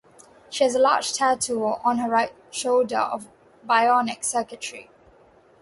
She has a large tattoo on her right shoulder of bionic circuitry.